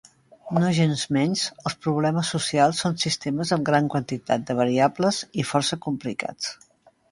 Nogensmenys, els problemes socials són sistemes amb gran quantitat de variables i força complicats.